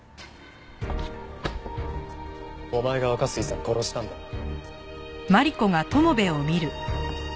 お前が若杉さんを殺したんだな？